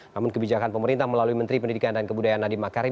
namun kebijakan pemerintah melalui menteri pendidikan dan kebudayaan nadiem makarim